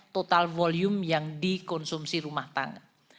total volume yang dikonsumsi rumah tangga